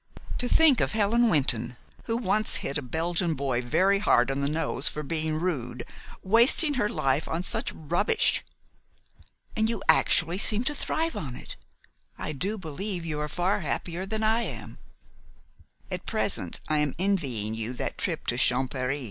To think of Helen Wynton, who once hit a Belgian boy very hard on the nose for being rude, wasting her life on such rubbish! And you actually seem to thrive on it. I do believe you are far happier than I." "At present I am envying you that trip to Champèry.